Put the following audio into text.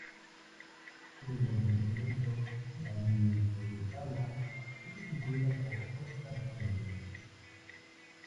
En el ayuntamiento vallisoletano, es sustituida por Óscar Puente.